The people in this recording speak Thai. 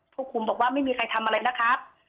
ผู้คุมบอกว่าไม่มีใครทำอะไรนะครับ